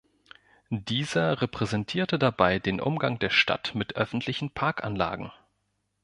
Dieser repräsentierte dabei den Umgang der Stadt mit öffentlichen Parkanlagen.